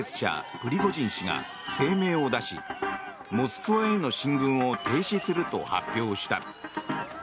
プリゴジン氏が声明を出しモスクワへの進軍を停止すると発表した。